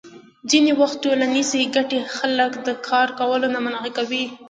ځینې وخت ټولنیزې ګټې خلک د کار کولو نه منع کوي.